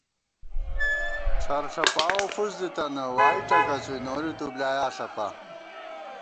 ڄَھر ݪَپاوَہ فُس دِتَنہ، وائی ٹکَڅُوئی نوری تُو بۡلیایا ݪَپا